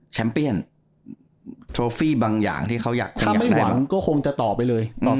ชัมเปียนบางอย่างที่เขาอยากถ้าไม่หวังก็คงจะต่อไปเลยอืม